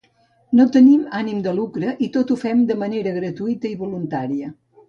No tenim ànim de lucre i tot ho fem de manera gratuïta i voluntària.